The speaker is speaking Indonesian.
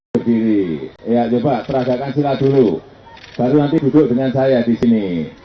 berdiri ya coba teradakan silat dulu baru nanti duduk dengan saya di sini